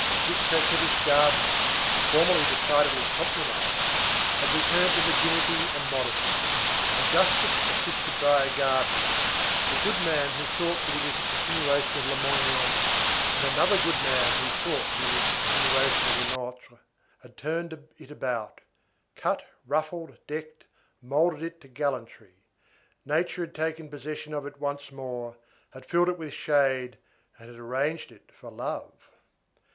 This coquettish garden, formerly decidedly compromised, had returned to virginity and modesty. A justice assisted by a gardener, a goodman who thought that he was a continuation of Lamoignon, and another goodman who thought that he was a continuation of Lenôtre, had turned it about, cut, ruffled, decked, moulded it to gallantry; nature had taken possession of it once more, had filled it with shade, and had arranged it for love.